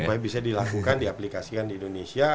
supaya bisa dilakukan diaplikasikan di indonesia